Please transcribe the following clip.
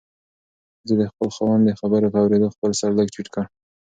ښځې د خپل خاوند د خبرو په اورېدو خپل سر لږ ټیټ کړ.